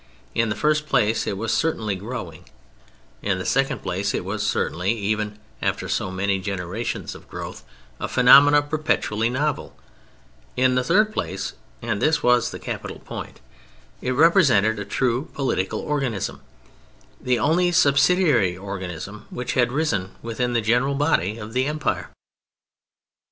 In the first place it was certainly growing; in the second place it was certainly, even after so many generations of growth, a phenomenon perpetually novel; in the third place (and this was the capital point) it represented a true political organism—the only subsidiary organism which had risen within the general body of the Empire.